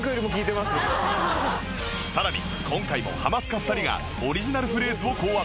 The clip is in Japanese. さらに今回もハマスカ２人がオリジナルフレーズを考案